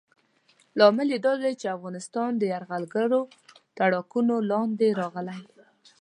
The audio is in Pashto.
لامل یې دا دی چې افغانستان یرغلګرو تاړاکونو لاندې راغلی.